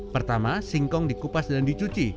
pertama singkong dikupas dan dicuci